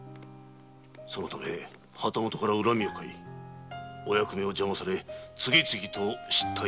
そのため旗本から恨みをかいお役目を邪魔され次々と失態を演じたのだ。